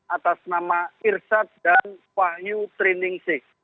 atas nama irshad dan wahyu triningsih